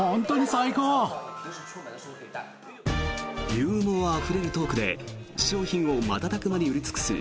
ユーモアあふれるトークで商品を瞬く間に売り尽くす